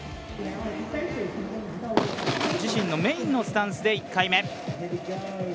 自身のメーンのスタンスで１回目。